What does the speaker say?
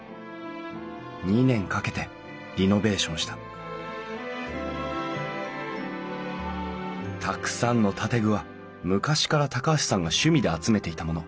２年かけてリノベーションしたたくさんの建具は昔から高橋さんが趣味で集めていたもの。